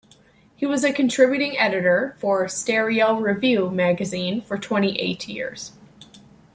He was a contributing editor for "Stereo Review" magazine for twenty-eight years.